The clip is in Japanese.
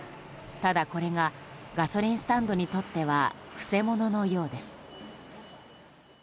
ただ、これがガソリンスタンドにとっては曲者のようです。